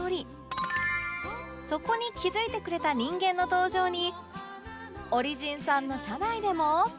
そこに気づいてくれた人間の登場にオリジンさんの社内でも